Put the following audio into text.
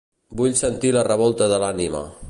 Vull sentir La revolta de l'ànima.